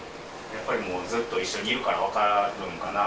やっぱりもうずっと一緒にいるから分かるんかな？